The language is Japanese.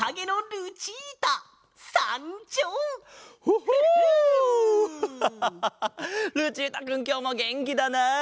ルチータくんきょうもげんきだなあ。